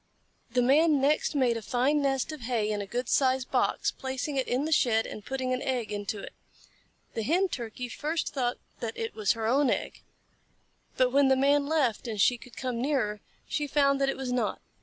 The Man next made a fine nest of hay in a good sized box, placing it in the shed and putting an egg into it. The Hen Turkey first thought that it was her own egg, but when the Man left and she could come nearer, she found that it was not.